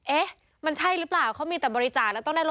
แอ๊ะมันใช่รึเปล่าเค้ามีแต่บริจาคแล้วต้องได้รถหย่อน